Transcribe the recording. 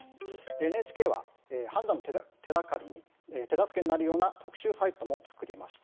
ＮＨＫは判断の手助けになるような特集サイトも作りました。